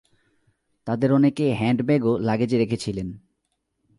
তাদের অনেকে হ্যান্ড ব্যাগও লাগেজে রেখেছিলেন।